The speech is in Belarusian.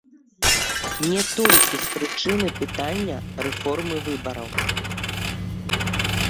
Не толькі з прычыны пытання рэформы выбараў.